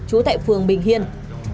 chú tại phường an khê và nguyễn thị thu anh